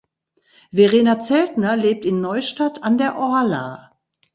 Verena Zeltner lebt in Neustadt an der Orla.